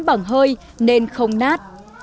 bằng hơi nên không nát